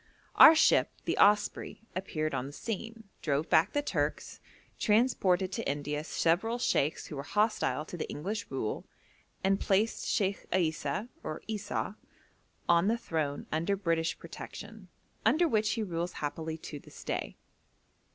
Our ship the Osprey appeared on the scene, drove back the Turks, transported to India several sheikhs who were hostile to the English rule, and placed Sheikh Isa (or Esau) on the throne under British protection, under which he rules happily to this day.